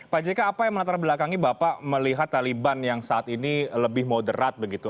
pak jk apa yang melatar belakangi bapak melihat taliban yang saat ini lebih moderat begitu